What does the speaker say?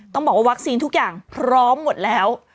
ต้องบอกว่าวัคซีนทุกอย่างพร้อมหมดแล้ว